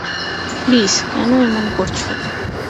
Please, কেন এমন করছো?